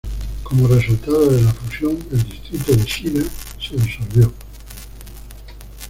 Como resultado de la fusión, el Distrito de Shida se disolvió.